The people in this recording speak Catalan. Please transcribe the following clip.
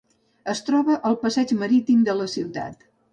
Es troba al passeig marítim de la ciutat.